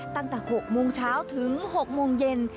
ตั้งแต่๖โมงเช้าถึง๖โมงเย็น